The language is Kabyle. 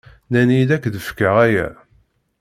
Nnan-iyi-d ad k-d-fkeɣ aya.